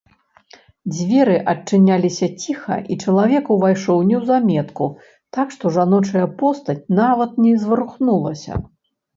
Дзверы адчыняліся ціха, і чалавек увайшоў неўзаметку, так што жаночая постаць нават не зварухнулася.